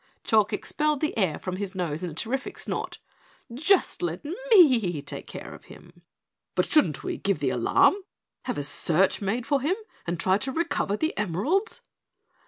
Chalk expelled the air from his nose in a terrific snort. "Just let me take care of him." "But shouldn't we give the alarm, have a search made for him, and try to recover the emeralds?"